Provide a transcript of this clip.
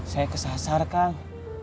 saya kesasar kang